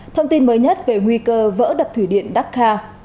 thông tin mới nhất về nguy cơ vỡ đập thủy điện dakar